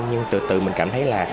nhưng từ từ mình cảm thấy là